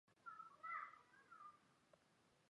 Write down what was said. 设籍将军北港之渔船不足十艘。